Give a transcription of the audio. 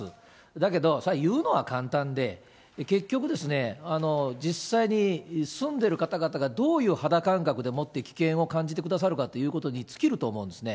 だけど、それは言うのは簡単で、結局ですね、実際に住んでる方々が、どういう肌感覚でもって危険を感じてくださるかということに尽きると思うんですね。